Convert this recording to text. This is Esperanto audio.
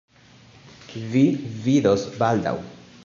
Vi vidos baldaŭ.